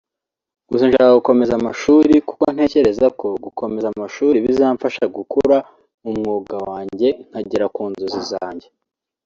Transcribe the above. Gusa nshaka gukomeza amashuri kuko ntekereza ko gukomeza amashuri bizamfasha gukura mu mwuga wanjye nkagera ku nzozi zanjye”